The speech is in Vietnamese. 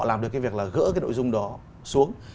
làm được cái việc là gỡ cái nội dung đó xuống